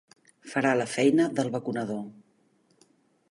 Farà la feina del vacunador.